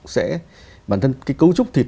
sẽ bản thân cái cấu trúc thịt